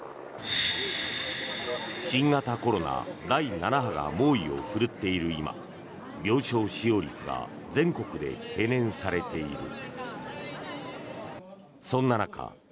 新型コロナ第７波が猛威を振るっている今病床使用率が全国で懸念されている。